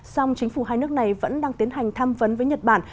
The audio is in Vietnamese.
song chính phủ hai nước này vẫn đang tiến hành tham vấn với nhật bản